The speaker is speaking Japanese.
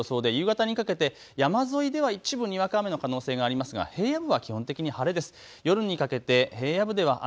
ほとんどの地域、晴れる予想で夕方にかけて山沿いでは一部にわか雨の可能性がありますが平野部は基本的に晴れです。